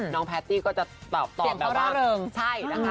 น้องแพทตี้ก็จะตอบแบบว่า